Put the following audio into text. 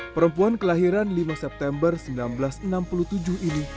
perempuan kelahiran lima september seribu sembilan ratus enam puluh tujuh ini